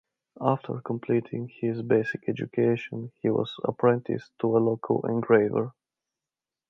After completing his basic education, he was apprenticed to a local engraver.